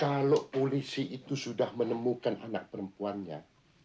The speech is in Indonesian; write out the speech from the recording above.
kalau polisi itu sudah menemukan anak perempuannya